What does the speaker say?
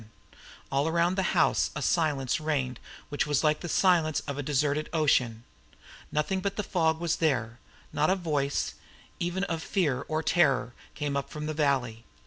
And all around the house a silence reigned which was like the silence of a deserted ocean. Nothing but the fog was there not a voice, even of fear or terror, came up from the valley.